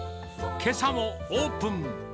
けさもオープン。